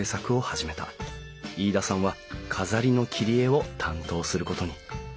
飯田さんは飾りの切り絵を担当することに。